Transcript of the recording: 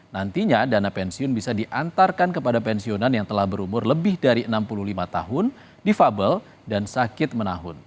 nantinya dana pensiun bisa diantarkan kepada pensiunan yang telah berumur lebih dari enam puluh lima tahun difabel dan sakit menahun